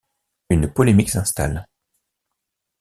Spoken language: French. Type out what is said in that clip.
Une polémique s'installe.